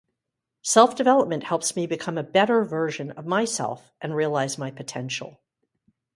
Self-development helps me become a better version of myself and realize my potential.